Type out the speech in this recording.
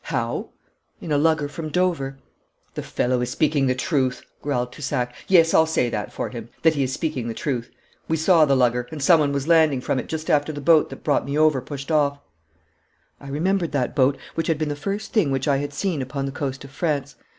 'How?' 'In a lugger from Dover.' 'The fellow is speaking the truth,' growled Toussac. 'Yes, I'll say that for him, that he is speaking the truth. We saw the lugger, and someone was landed from it just after the boat that brought me over pushed off.' I remembered that boat, which had been the first thing which I had seen upon the coast of France.